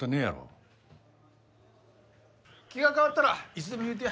気が変わったらいつでも言うてや。